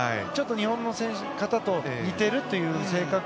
ちょっと日本の方と似ているという。